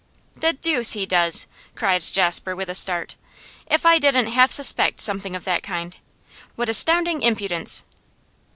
'The deuce he does!' cried Jasper, with a start. 'If I didn't half suspect something of that kind! What astounding impudence!